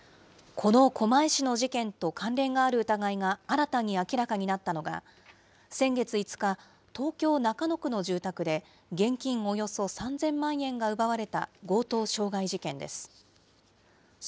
この狛江市の事件と関連がある疑いが新たに明らかになったのが、先月５日、東京・中野区の住宅で、現金およそ３０００万円が奪われた強盗傷害事件です。